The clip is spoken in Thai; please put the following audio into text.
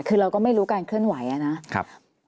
คือเราก็ไม่รู้การเคลื่อนไหวนะครับ